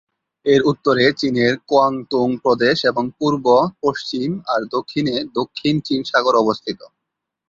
এর উত্তরে চীনের কুয়াংতুং প্রদেশ এবং পূর্ব, পশ্চিম আর দক্ষিণে দক্ষিণ চীন সাগর অবস্থিত।